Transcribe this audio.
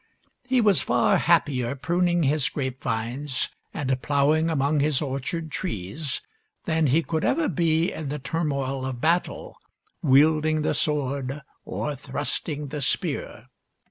He was far happier pruning his grapevines and plowing among his orchard trees than he could ever be in the turmoil of battle, wielding the sword or thrusting the spear.